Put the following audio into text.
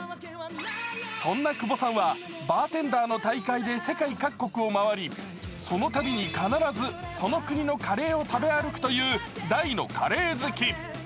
そんな久保さんはバーテンダーの大会で世界各国を回り、そのたびに、必ずその国のカレーを食べ歩くという大のカレー好き。